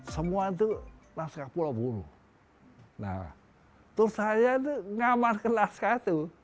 semua itu naskah pulau buru